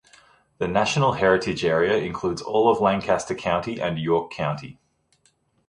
The national heritage area includes all of Lancaster County and York County.